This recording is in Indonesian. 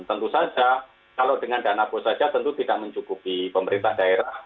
tentu saja kalau dengan dana bos saja tentu tidak mencukupi pemerintah daerah